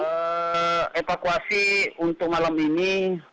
jadi evakuasi untuk malam ini